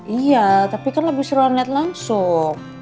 iya tapi kan lebih seru liat langsung